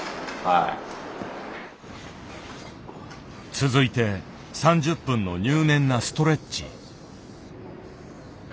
続いて３０分の入念なストレッチ。